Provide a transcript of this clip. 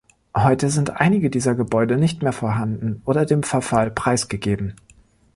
Heute sind einige dieser Gebäude nicht mehr vorhanden oder dem Verfall preisgegeben.